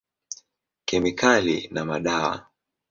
Kemikali na madawa.